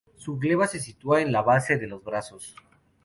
Su gleba se sitúa en la base de los brazos.